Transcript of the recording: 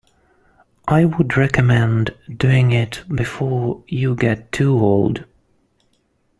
I would recommend doing it before you get too old.